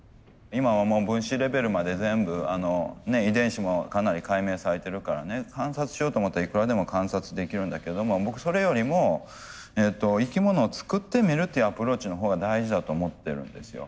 今はもう分子レベルまで全部遺伝子もかなり解明されてるからね観察しようと思ったらいくらでも観察できるんだけれども僕それよりも生き物を作ってみるっていうアプローチのほうが大事だと思ってるんですよ。